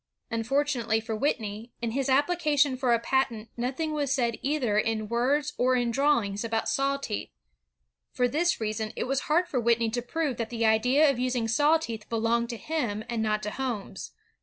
Unfortunately for Whitney, in his application for a patent nothing was said either in words or in drawings about saw teeth. For this reason, it was hard for Whitney to prove that the idea of using saw teeth belonged to him and not to Homes.